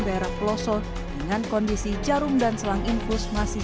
daerah pelosok dengan kondisi jarum dan selang infus masih